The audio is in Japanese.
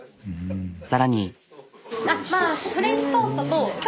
さらに。